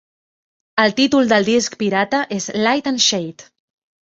El títol del disc pirata és "Light and shade".